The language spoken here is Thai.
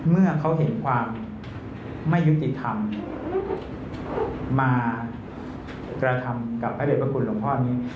เมื่อเขาเห็นความไม่ยุติธรรมมากระทำกับพระเด็จพระคุณหลวงพ่อนี้